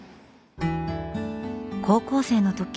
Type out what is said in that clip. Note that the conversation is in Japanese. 高校生の時